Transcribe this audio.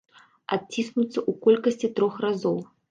Адціснуцца ў колькасці трох разоў!